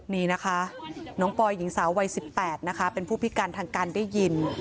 นี่นะคะน้องปอยหญิงสาววัย๑๘นะคะเป็นผู้พิการทางการได้ยิน